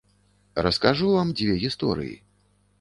Раскажу вам дзве гісторыі.